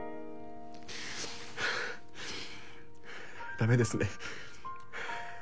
ダメですね。